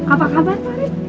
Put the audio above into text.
apa kabar pak arief